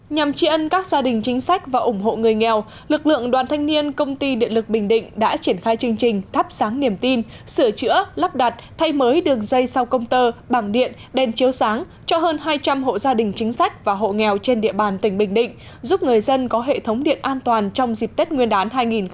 nhằm tri ân các gia đình chính sách và ủng hộ người nghèo lực lượng đoàn thanh niên công ty điện lực bình định đã triển khai chương trình thắp sáng niềm tin sửa chữa lắp đặt thay mới đường dây sau công tơ bằng điện đèn chiếu sáng cho hơn hai trăm linh hộ gia đình chính sách và hộ nghèo trên địa bàn tỉnh bình định giúp người dân có hệ thống điện an toàn trong dịp tết nguyên đán hai nghìn hai mươi